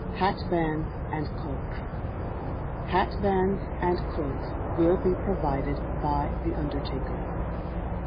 Hatbands and Cloaks. Hatbands and Cloaks will be provided by the undertaker.